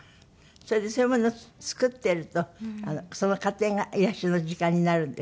それでそういうものを作ってるとその過程が癒やしの時間になるんですって？